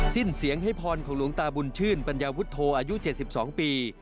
สิ้นเสียงให้พรของหลวงตาบุญชื่นปัญญาวุฒโธอายุ๗๒ปี